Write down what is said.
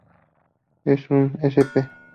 Es una sp.